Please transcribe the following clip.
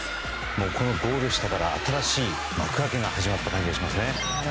このゴール下から新しい幕開けが始まった気がします。